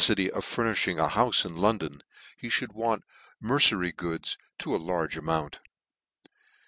a neceffity of furnifhing a houfe in London, he fhould want mercery goods to a large amount.